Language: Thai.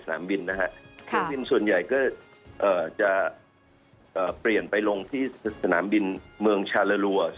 เครื่องบินส่วนใหญ่ก็จะเปลี่ยนไปลงที่สนามบินเมืองชาลารัว